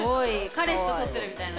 彼氏と撮ってるみたいなので。